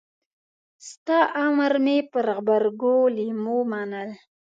ستا امر مې پر غبرګو لېمو منل.